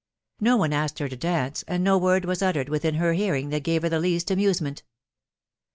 No one asked her to dance, and no word was uttered within her hearing that gave her the least amusement.